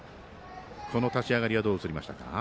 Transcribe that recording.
この立ち上がりはどう映りましたか？